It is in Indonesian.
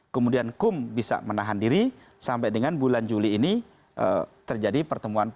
kemudian kum bisa dikompasikan